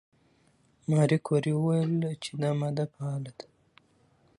ماري کوري وویل چې دا ماده فعاله ده.